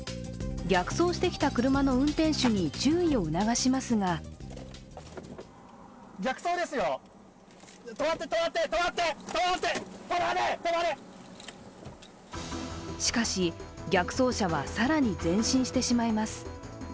逆走してきた車の運転手に注意を促しますがしかし、逆走車は更に前進してしまいます。